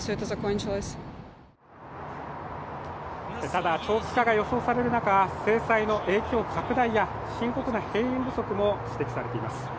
ただ、長期化が予想される中、制裁の影響拡大や深刻な兵員不足も指摘されています。